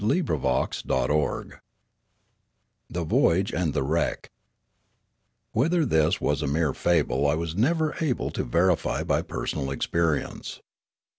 CHAPTER XXVIII THE VOYAGE AND THE WRECK WHETHER this was a mere fable I was never able to verify by personal experience.